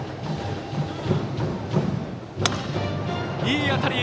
いい当たり！